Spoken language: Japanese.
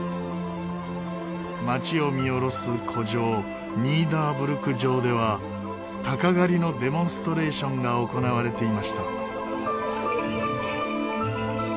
町を見下ろす古城ニーダーブルク城では鷹狩りのデモンストレーションが行われていました。